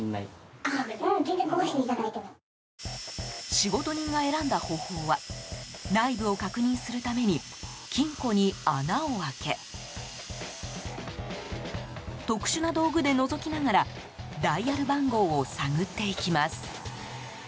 仕事人が選んだ方法は内部を確認するために金庫に穴を開け特殊な道具でのぞきながらダイヤル番号を探っていきます。